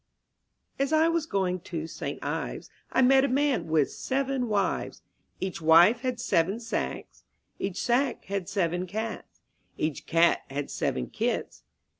A S I was going to St. Ives, ^^ I met a man with seven wives; Each wife had seven sacks; Each sack had seven cats; Each cat had seven kits.